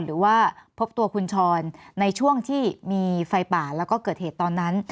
หรือว่าพบตัวคุณชรในช่วงที่มีไฟป่าแล้วก็เกิดเหตุตอนนั้น